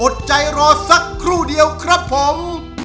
อดใจรอสักครู่เดียวครับผม